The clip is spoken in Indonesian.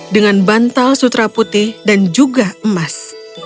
dengan bantal sutra putih dan juga emas